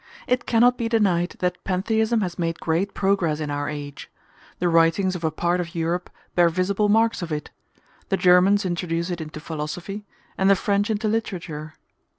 It cannot be denied that pantheism has made great progress in our age. The writings of a part of Europe bear visible marks of it: the Germans introduce it into philosophy, and the French into literature.